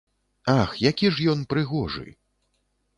Ах, які ж ён прыгожы!